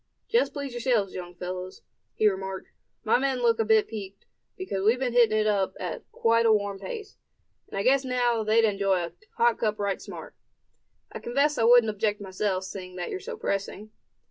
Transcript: "Just please yourselves, young fellows," he remarked. "My men look a bit peaked, because we've been hitting it up at quite a warm pace; and I guess now, they'd enjoy a hot cup right smart. I confess I wouldn't object myself, seeing that you're so pressing."